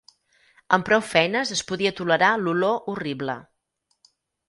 Amb prou feines es podia tolerar l'olor horrible.